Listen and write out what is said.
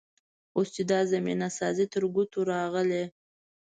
اوس چې دا زمینه سازي تر ګوتو راغلې.